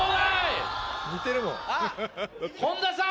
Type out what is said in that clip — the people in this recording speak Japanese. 本田さん。